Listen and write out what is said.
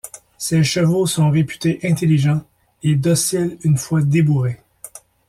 Ces chevaux sont réputés intelligents, et dociles une fois débourrés.